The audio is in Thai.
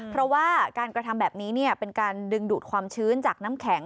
เพราะว่าการกระทำแบบนี้เป็นการดึงดูดความชื้นจากน้ำแข็ง